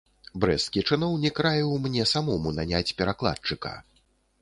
Брэсцкі чыноўнік раіў мне самому наняць перакладчыка.